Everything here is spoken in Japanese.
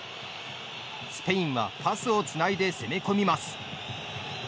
スペインはパスをつないで攻め込みます。